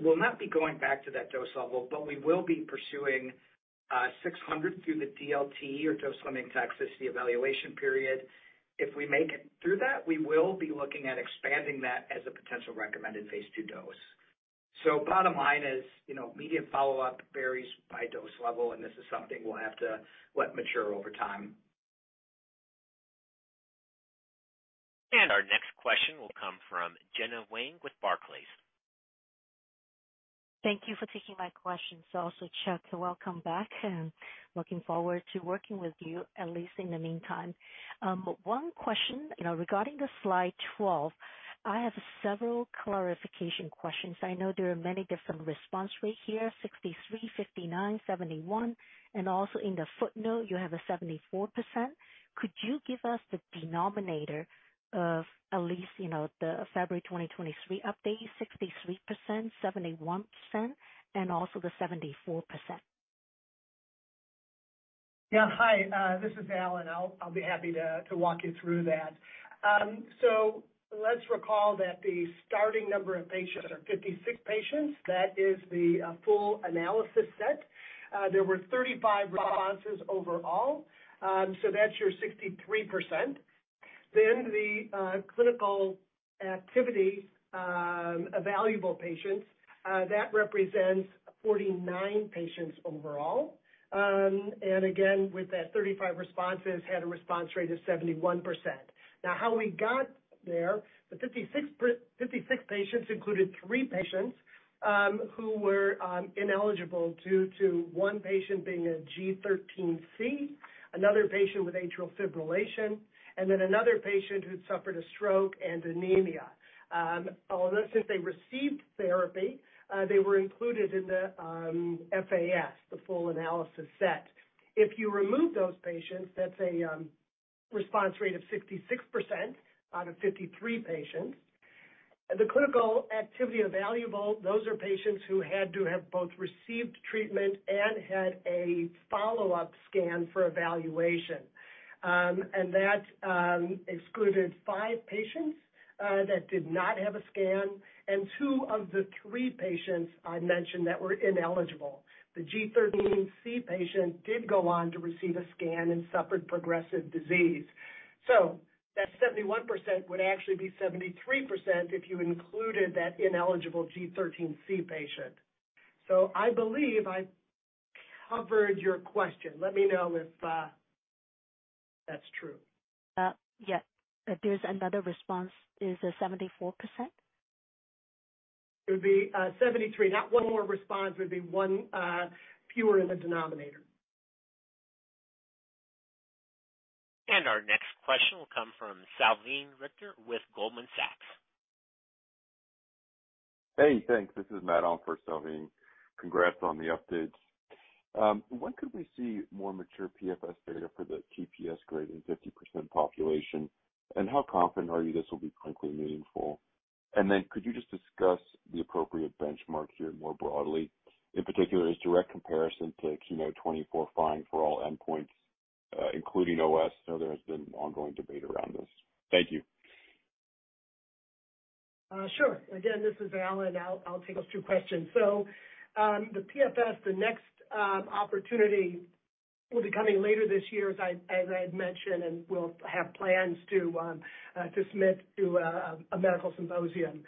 We'll not be going back to that dose level, but we will be pursuing 600 through the DLT or dose limiting toxicity evaluation period. If we make it through that, we will be looking at expanding that as a potential recommended phase II dose. Bottom line is, you know, median follow-up varies by dose level, and this is something we'll have to let mature over time. Our next question will come from Gena Wang with Barclays. Thank you for taking my question. Also, Chuck, welcome back, and looking forward to working with you, at least in the meantime. One question, you know, regarding the slide 12, I have several clarification questions. I know there are many different response rates here, 63, 59, 71, and also in the footnote, you have a 74%. Could you give us the denominator of at least, you know, the February 2023 update, 63%, 71%, and also the 74%? Yeah. Hi, this is Alan. I'll, I'll be happy to, to walk you through that. Let's recall that the starting number of patients are 56 patients. That is the full analysis set. There were 35 responses overall, that's your 63%. The clinical activity, evaluable patients, that represents 49 patients overall. Again, with that 35 responses, had a response rate of 71%. Now, how we got there, the 56 patients included 3 patients who were ineligible due to 1 patient being a G13C, another patient with atrial fibrillation, and then another patient who'd suffered a stroke and anemia. Although since they received therapy, they were included in the FAS, the full analysis set. If you remove those patients, that's a response rate of 66% out of 53 patients. The clinical activity evaluable, those are patients who had to have both received treatment and had a follow-up scan for evaluation. And that excluded 5 patients that did not have a scan, and 2 of the 3 patients I mentioned that were ineligible. The G13C patient did go on to receive a scan and suffered progressive disease. That 71% would actually be 73% if you included that ineligible G13C patient. I believe I covered your question. Let me know if that's true. Yes. There's another response. Is it 74%? It would be 73. Not one more response, it would be one fewer in the denominator. Our next question will come from Salveen Richter with Goldman Sachs. Hey, thanks. This is Matt on for Salveen. Congrats on the updates. When could we see more mature PFS data for the TPS in 50% population? How confident are you this will be clinically meaningful? Could you just discuss the appropriate benchmark here more broadly, in particular, as direct comparison to KEYNOTE-024 for all endpoints, including OS? I know there has been ongoing debate around this. Thank you. Sure. Again, this is Alan. I'll, I'll take us 2 questions. The PFS, the next opportunity will be coming later this year, as I, as I had mentioned, and we'll have plans to submit to a medical symposium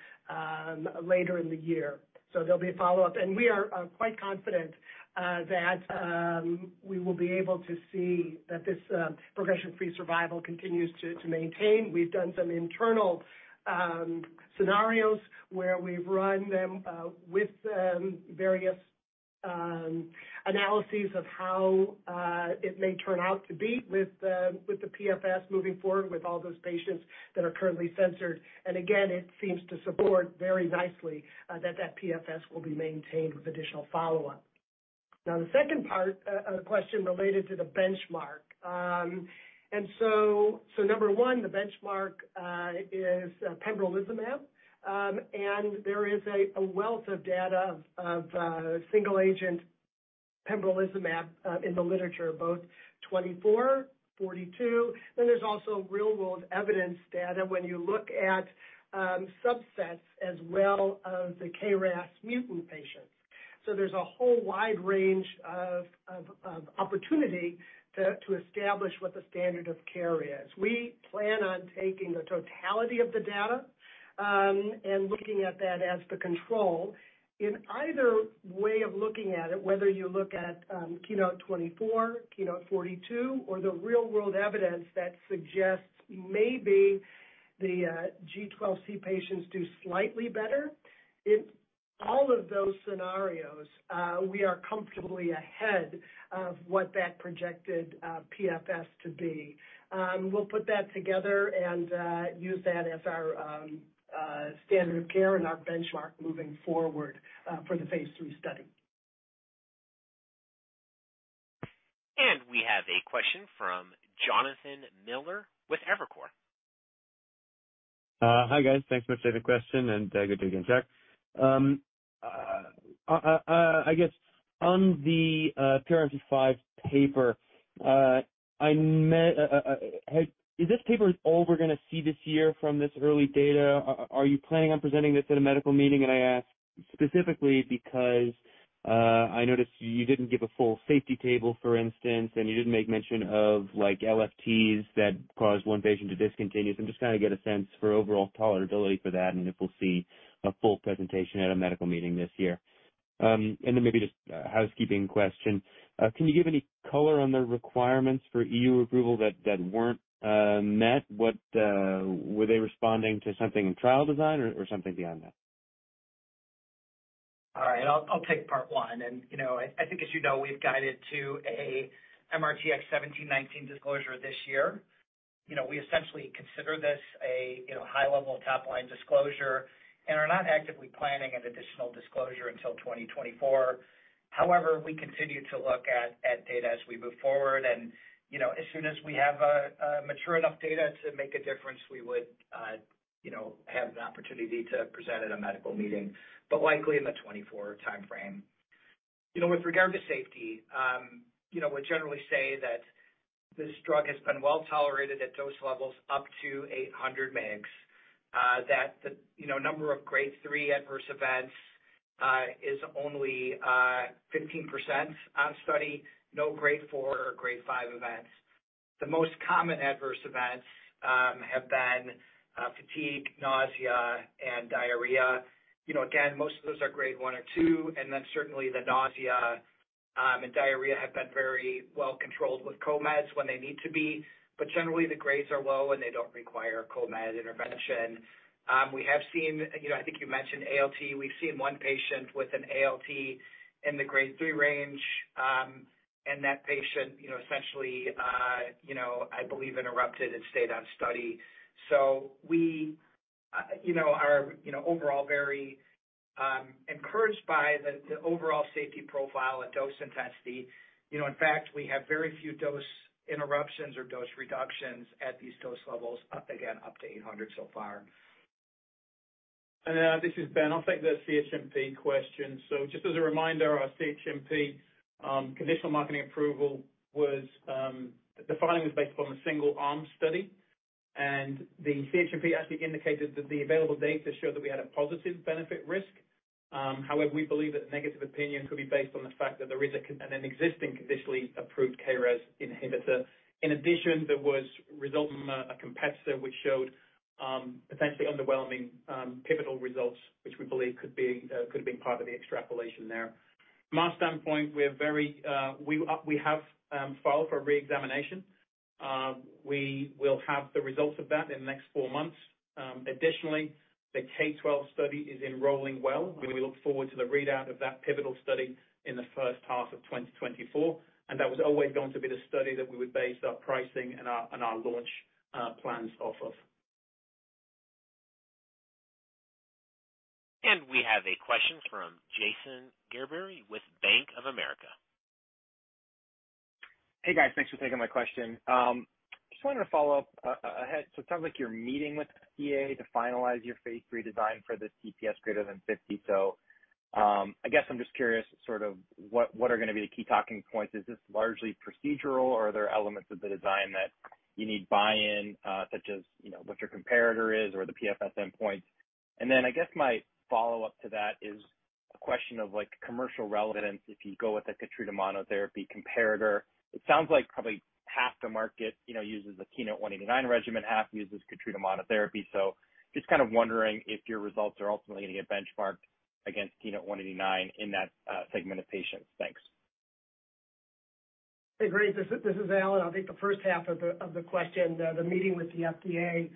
later in the year. There'll be a follow-up. We are quite confident that we will be able to see that this progression-free survival continues to, to maintain. We've done some internal scenarios where we've run them with various analyses of how it may turn out to be with the PFS moving forward, with all those patients that are currently censored. Again, it seems to support very nicely that that PFS will be maintained with additional follow-up. The second part question related to the benchmark. Number 1, the benchmark is pembrolizumab. There is a wealth of data of single agent pembrolizumab in the literature, both 24, 42. There's also real-world evidence data when you look at subsets as well of the KRAS mutant patients. There's a whole wide range of opportunity to establish what the standard of care is. We plan on taking the totality of the data and looking at that as the control. In either way of looking at it, whether you look at KEYNOTE-024, KEYNOTE-042, or the real-world evidence that suggests maybe the G12C patients do slightly better, in all of those scenarios, we are comfortably ahead of what that projected PFS to be. We'll put that together and use that as our standard of care and our benchmark moving forward for the phase III study. We have a question from Jonathan Miller with Evercore. Hi, guys. Thanks much for the question. Good day again, Jack. I guess on the PRMT5 paper, I met, hey, is this paper all we're going to see this year from this early data? Are you planning on presenting this at a medical meeting? I ask specifically because I noticed you didn't give a full safety table, for instance, and you didn't make mention of, like, LFTs that caused one patient to discontinue. I'm just trying to get a sense for overall tolerability for that and if we'll see a full presentation at a medical meeting this year. Then maybe just a housekeeping question. Can you give any color on the requirements for EU approval that weren't met? What, were they responding to something in trial design or, or something beyond that? All right, I'll take part 1, you know, I think, as you know, we've guided to a MRTX1719 disclosure this year. You know, we essentially consider this a, you know, high-level top-line disclosure and are not actively planning an additional disclosure until 2024. However, we continue to look at data as we move forward, and, you know, as soon as we have a mature enough data to make a difference, we would, you know, have an opportunity to present at a medical meeting, but likely in the 2024 timeframe. You know, with regard to safety, you know, we generally say that this drug has been well tolerated at dose levels up to 800 mgs, that the, you know, number of grade 3 adverse events, is only 15% on study, no grade 4 or grade 5 events. The most common adverse events have been fatigue, nausea, and diarrhea. You know, again, most of those are grade 1 or 2, then certainly the nausea and diarrhea have been very well controlled with co-meds when they need to be. Generally, the grades are low, and they don't require co-med intervention. We have seen, you know, I think you mentioned ALT. We've seen 1 patient with an ALT in the grade 3 range, that patient, you know, essentially, you know, I believe, interrupted and stayed on study. We, you know, are, you know, overall very encouraged by the, the overall safety profile at dose intensity. You know, in fact, we have very few dose interruptions or dose reductions at these dose levels, up again, up to 800 so far. This is Ben. I'll take the CHMP question. Just as a reminder, our CHMP conditional marketing approval was the filing was based upon a single-arm study, and the CHMP actually indicated that the available data showed that we had a positive benefit risk. However, we believe that the negative opinion could be based on the fact that there is an existing conditionally approved KRAS inhibitor. In addition, there was results from a competitor which showed potentially underwhelming pivotal results, which we believe could have been part of the extrapolation there. From our standpoint, we're very, we have filed for a reexamination. We will have the results of that in the next four months. Additionally, the KRYSTAL-12 study is enrolling well. We look forward to the readout of that pivotal study in the first half of 2024, and that was always going to be the study that we would base our pricing and our, and our launch plans off of. We have a question from Jason Gerberry with Bank of America. Hey, guys. Thanks for taking my question. Just wanted to follow up ahead. It sounds like you're meeting with the FDA to finalize your phase III design for this TPS greater than 50. I guess I'm just curious sort of what, what are gonna be the key talking points? Is this largely procedural, or are there elements of the design that you need buy-in, such as, you know, what your comparator is or the PFS endpoint? Then I guess my follow-up to that is a question of, like, commercial relevance if you go with a Keytruda monotherapy comparator. It sounds like probably half the market, you know, uses a KEYNOTE-189 regimen, half uses Keytruda monotherapy. Just kind of wondering if your results are ultimately going to get benchmarked against KEYNOTE-189 in that segment of patients. Thanks. Hey, great. This, this is Al, and I'll take the first half of the, of the question, the, the meeting with the FDA.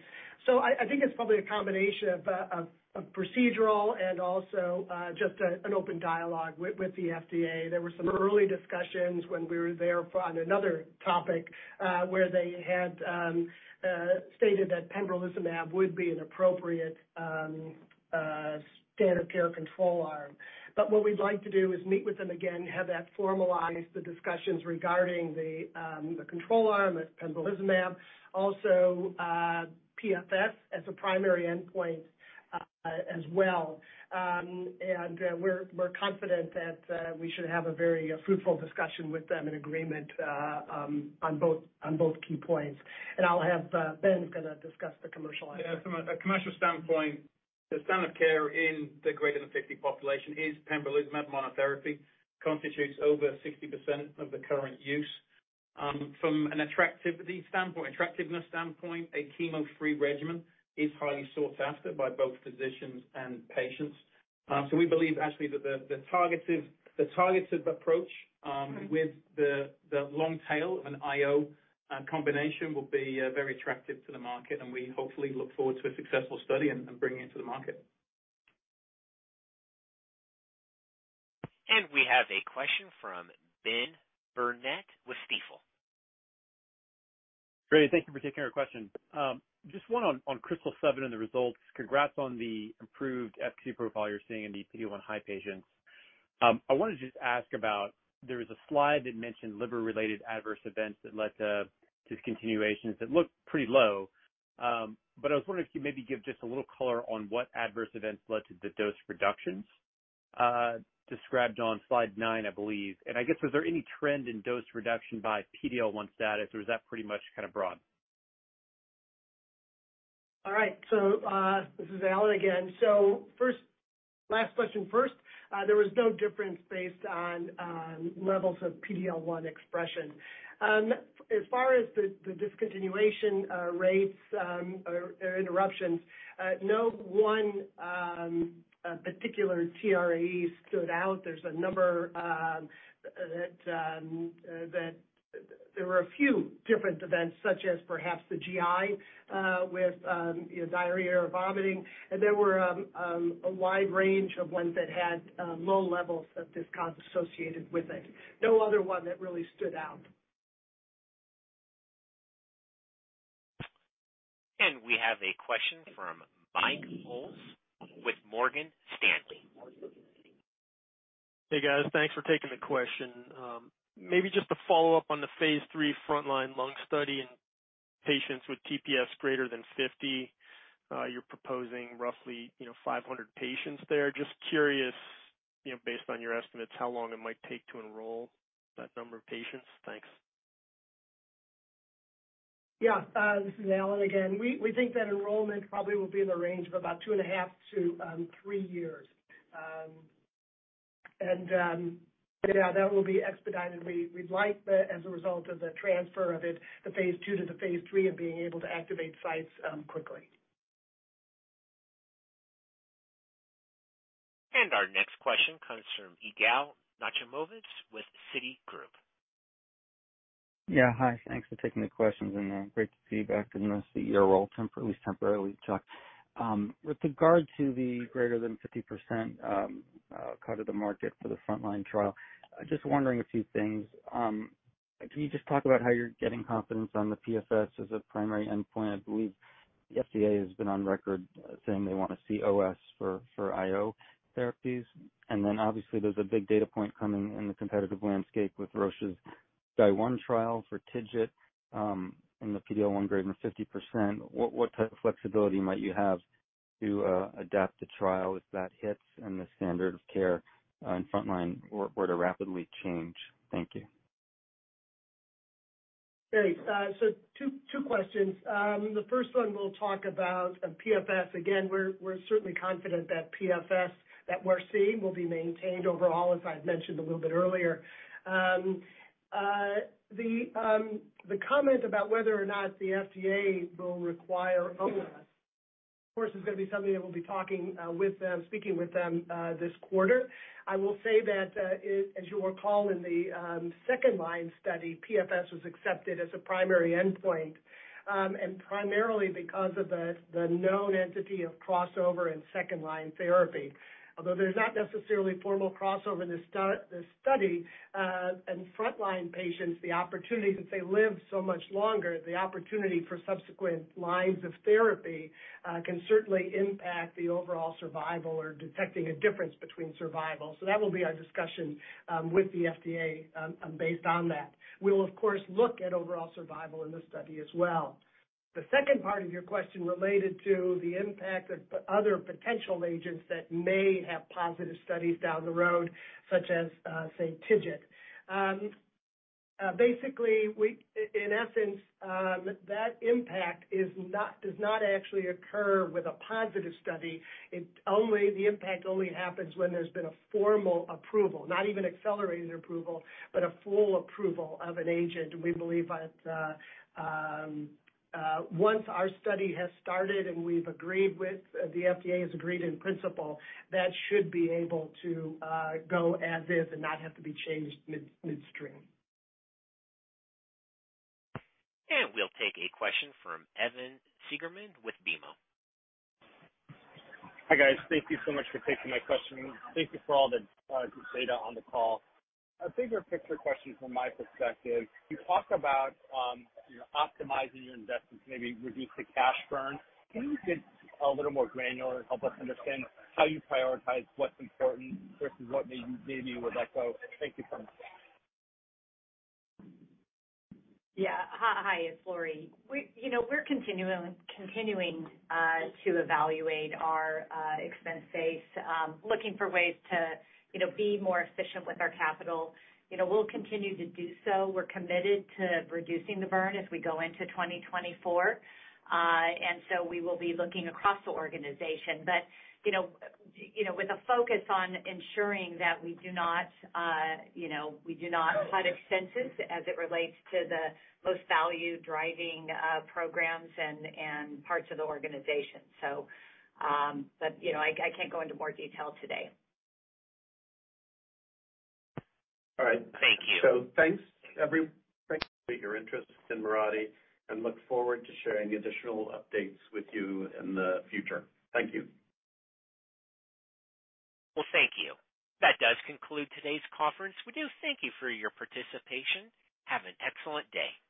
I, I think it's probably a combination of, of, of procedural and also, just a, an open dialogue with, with the FDA. There were some early discussions when we were there for on another topic, where they had, stated that pembrolizumab would be an appropriate, standard care control arm. What we'd like to do is meet with them again, have that formalized, the discussions regarding the, the control arm, the pembrolizumab, also, PFS as a primary endpoint, as well. We're, we're confident that, we should have a very fruitful discussion with them in agreement, on both, on both key points. I'll have Ben gonna discuss the commercial item. Yeah, from a commercial standpoint, the standard of care in the greater than 50 population is pembrolizumab monotherapy, constitutes over 60% of the current use. From an attractivity standpoint, attractiveness standpoint, a chemo-free regimen is highly sought after by both physicians and patients. We believe actually that the, the targeted, the targeted approach, with the, the long tail of an IO combination will be very attractive to the market, and we hopefully look forward to a successful study and, and bringing it to the market. We have a question from Benjamin Burnett with Stifel. Great, thank you for taking our question. Just one on, on KRYSTAL-7 and the results. Congrats on the improved FC profile you're seeing in the PD-L1 high patients. I want to just ask about, there was a slide that mentioned liver-related adverse events that led to discontinuations that looked pretty low. I was wondering if you maybe give just a little color on what adverse events led to the dose reductions, described on slide 9, I believe. I guess, was there any trend in dose reduction by PD-L1 status, or was that pretty much kind of broad? All right. This is Alan again. First, last question first, there was no difference based on levels of PD-L1 expression. As far as the, the discontinuation rates, or, or interruptions, no one particular TRAE stood out. There's a number that there were a few different events, such as perhaps the GI, with, you know, diarrhea or vomiting, and there were a wide range of ones that had low levels of dyscon associated with it. No other one that really stood out. We have a question from Michael Ulz with Morgan Stanley. Hey, guys. Thanks for taking the question. Maybe just to follow up on the phase III frontline lung study in patients with TPS greater than 50, you're proposing roughly 500 patients there. Just curious, based on your estimates, how long it might take to enroll that number of patients? Thanks. Yeah. This is Alan again. We, we think that enrollment probably will be in the range of about 2.5 to 3 years. Yeah, that will be expedited. We, we'd like that as a result of the transfer of it, the phase II to the phase III, and being able to activate sites quickly. Our next question comes from Yigal Nochomovitz with Citigroup. Yeah. Hi, thanks for taking the questions, and great to see you back in the CEO role, temp- at least temporarily, Chuck. With regard to the greater than 50% cut of the market for the frontline trial, I just wondering a few things. Can you just talk about how you're getting confidence on the PFS as a primary endpoint? I believe the FDA has been on record saying they want to see OS for, for IO therapies. Then obviously, there's a big data point coming in the competitive landscape with Roche's Day one trial for TIGIT in the PD-L1 grade and 50%. What, what type of flexibility might you have to adapt the trial if that hits and the standard of care in frontline were, were to rapidly change? Thank you. Great. Two, two questions. The first one, we'll talk about PFS. Again, we're, we're certainly confident that PFS that we're seeing will be maintained overall, as I've mentioned a little bit earlier. The comment about whether or not the FDA will require OS, of course, is gonna be something that we'll be talking with them, speaking with them this quarter. I will say that, as you'll recall, in the second-line study, PFS was accepted as a primary endpoint, and primarily because of the known entity of crossover and second-line therapy. Although there's not necessarily formal crossover in this study, in front-line patients, the opportunity, since they live so much longer, the opportunity for subsequent lines of therapy, can certainly impact the overall survival or detecting a difference between survival. That will be our discussion with the FDA, based on that. We will, of course, look at overall survival in this study as well. The second part of your question related to the impact of other potential agents that may have positive studies down the road, such as, say, TIGIT. Basically, in essence, that impact is not, does not actually occur with a positive study. It only, the impact only happens when there's been a formal approval, not even accelerated approval, but a full approval of an agent. We believe that once our study has started and we've agreed with, the FDA has agreed in principle, that should be able to go as is and not have to be changed midstream. We'll take a question from Evan Seigerman with BMO. Hi, guys. Thank you so much for taking my question. Thank you for all the data on the call. A bigger picture question from my perspective, you talk about, you know, optimizing your investments, maybe reducing the cash burn. Can you get a little more granular and help us understand how you prioritize what's important versus what maybe, maybe you would let go? Thank you so much. Yeah. Hi, it's Laurie. We, you know, we're continuing, continuing to evaluate our expense base, looking for ways to, you know, be more efficient with our capital. You know, we'll continue to do so. We're committed to reducing the burn as we go into 2024. We will be looking across the organization, but, you know, you know, with a focus on ensuring that we do not, you know, we do not cut expenses as it relates to the most value-driving programs and, and parts of the organization. You know, I, I can't go into more detail today. All right. Thank you. Thanks, thank you for your interest in Mirati, and look forward to sharing additional updates with you in the future. Thank you. Well, thank you. That does conclude today's conference. We do thank you for your participation. Have an excellent day.